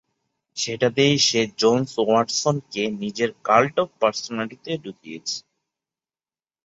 সেটা দিয়েই সে জোন্স-ওয়াটসনকে নিজের কাল্ট অফ পার্সোনালিটিতে ঢুকিয়েছে।